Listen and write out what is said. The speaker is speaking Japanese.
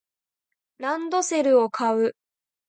ランドセルを買う